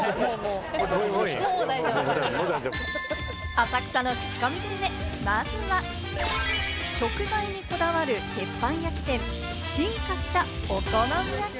浅草のクチコミグルメ、まずは、食材にこだわる鉄板焼き店、進化したお好み焼き。